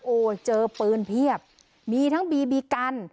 โอ้โหเจอปืนเพียบมีทั้งบีบีกัน